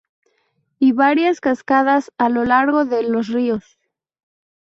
Y varias cascadas a lo largo de los ríos.